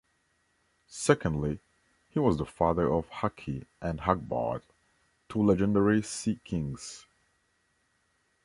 Secondly, he was the father of Haki and Hagbard, two legendary sea-kings.